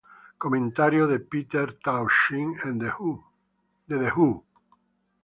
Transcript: Comentario de Pete Townshend de The Who.